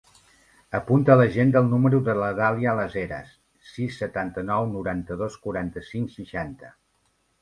Apunta a l'agenda el número de la Dàlia Las Heras: sis, setanta-nou, noranta-dos, quaranta-cinc, seixanta.